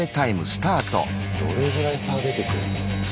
どれぐらい差出てくんの？